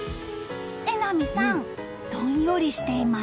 榎並さん、どんよりしています。